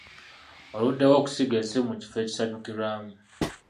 Oluddewo okusiga ensimbi mu kifo ekisanyukirwamu.